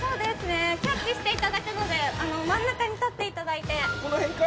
キャッチしていただくので真ん中に立っていただいてこのへんか？